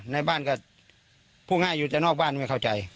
ในบ้านก็พูดง่ายอยู่แต่นอกบ้านไม่เข้าใจ